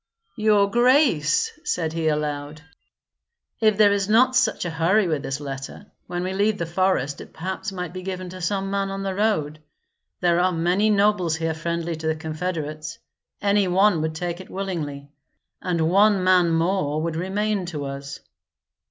"Your grace," said he, aloud, "if there is not such a hurry with this letter, when we leave the forest it perhaps might be given to some man on the road. There are many nobles here friendly to the confederates; any one would take it willingly, and one man more would remain to us."